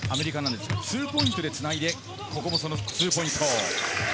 ツーポイントでつないで、ここもツーポイント。